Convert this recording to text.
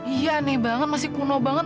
iya nih banget masih kuno banget